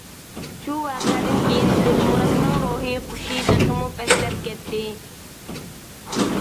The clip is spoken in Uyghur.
شۇ ۋەقەدىن كېيىن دىلمۇراتنىڭ روھىي قۇشى تېخىمۇ پەسلەپ كەتتى.